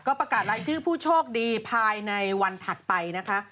ประกาศรายชื่อผู้โชคดีภายในวันถัดไปนะคะ